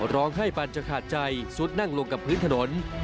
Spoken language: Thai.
ร้องไห้ปันจะขาดใจซุดนั่งลงกับพื้นถนน